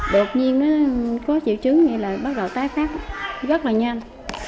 đột nhiên nó có triệu chứng thì bắt đầu tái phát rất là nhanh